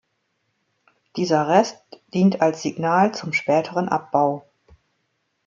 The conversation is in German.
Dieser Rest dient als Signal zum späteren Abbau.